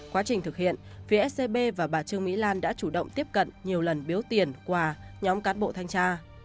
quá trình thực hiện phía scb và bà trương mỹ lan đã chủ động tiếp cận nhiều lần biếu tiền quà nhóm cán bộ thanh tra